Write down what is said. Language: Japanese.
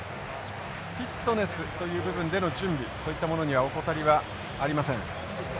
フィットネスという部分での準備そういったものには怠りはありません。